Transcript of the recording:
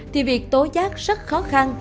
thì việc tối giác rất khó khăn